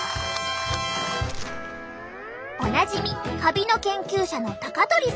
おなじみカビの研究者の高鳥さん。